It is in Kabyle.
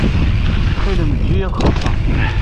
Ttxil-m eǧǧ-iyi ad xellṣeɣ.